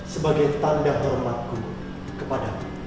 sebagai tanda hormatku kepada